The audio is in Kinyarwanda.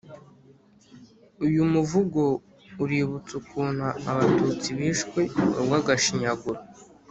uyu muvugo uributsa ukuntu abatutsi bishwe urwagashinyaguro